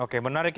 oke menarik ini